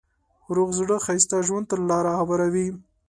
روغ زړه ښایسته ژوند ته لاره هواروي.